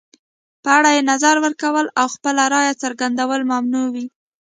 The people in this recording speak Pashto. په اړه یې نظر ورکول او خپله رایه څرګندول ممنوع وي.